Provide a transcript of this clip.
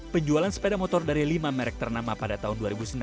penjualan sepeda motor dari lima merek ternama pada tahun dua ribu sembilan belas